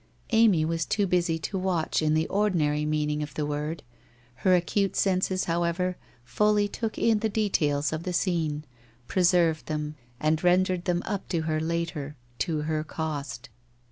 Amy was too busy to watch in the ordinary meaning of the word, her acute senses however fully took in the details of the scene, preserved them, and rendered them up to her later, to her cost.